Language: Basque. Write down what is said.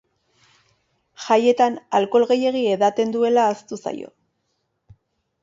Jaietan alkohol gehiegi edaten duela ahaztu zaio.